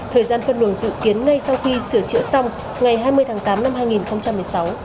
thời gian phân luồng dự kiến ngay sau khi sửa chữa xong ngày hai mươi tháng tám năm hai nghìn một mươi sáu